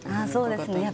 そうですね。